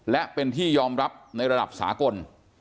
และเป็นที่ยอมรับในระดับสากล